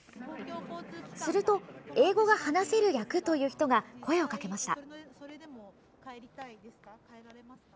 すると英語が話せる役という人が声をかけました。